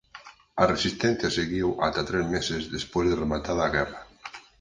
A resistencia seguiu ata tres meses despois de rematada a guerra.